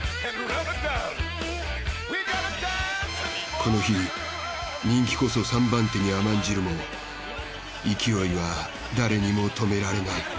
この日人気こそ３番手に甘んじるも勢いは誰にも止められない。